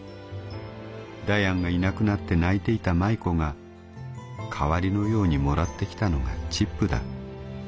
ダヤンがいなくなって泣いていた舞子が代わりのようにもらってきたのがチップだ。